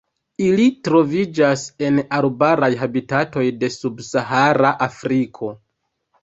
Ili troviĝas en arbaraj habitatoj de subsahara Afriko.